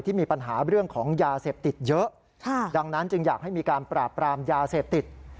มีปัญหาเรื่องของยาเสพติดเยอะดังนั้นจึงอยากให้มีการปราบปรามยาเสพติด